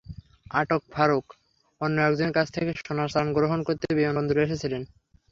আটক ফারুক অন্য একজনের কাছ থেকে সোনার চালান গ্রহণ করতে বিমানবন্দরে এসেছিলেন।